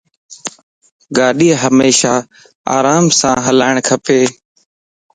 گاڏي ھيمشا آرام سين ھلاڻ کپ